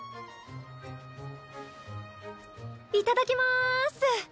いただきます。